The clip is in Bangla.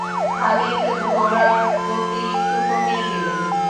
খালিদ ঘোড়ার গতি একটু কমিয়ে দিলেন।